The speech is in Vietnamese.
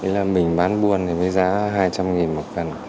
đấy là mình bán buồn thì mới giá hai trăm linh nghìn một cần